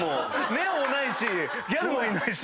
「ネオ」もないしギャルもいないし。